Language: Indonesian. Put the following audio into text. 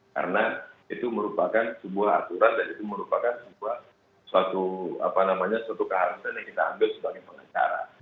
karena itu merupakan sebuah aturan dan itu merupakan sebuah suatu apa namanya suatu keharusan yang kita ambil sebagai pengacara